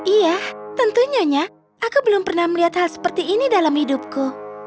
iya tentunya nya aku belum pernah melihat hal seperti ini dalam hidupku